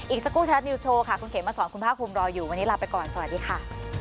อีกสักครู่ไทยรัฐนิวสโชว์ค่ะคุณเขมมาสอนคุณภาคภูมิรออยู่วันนี้ลาไปก่อนสวัสดีค่ะ